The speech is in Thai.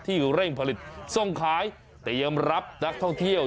เร่งผลิตส่งขายเตรียมรับนักท่องเที่ยว